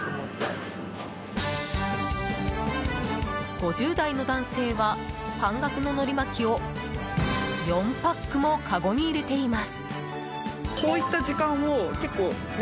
５０代の男性は半額ののり巻きを４パックもかごに入れています。